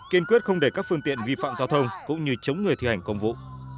kiên quyết không để các phương tiện vi phạm giao thông cũng như chống người thi hành công vụ